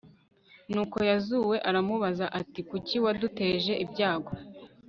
nuko yozuwe aramubaza ati kuki waduteje ibyago